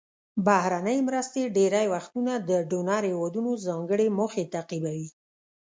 بهرنۍ مرستې ډیری وختونه د ډونر هیوادونو ځانګړې موخې تعقیبوي.